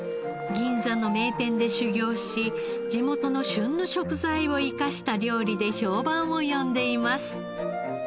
銀座の名店で修業し地元の旬の食材を生かした料理で評判を呼んでいます。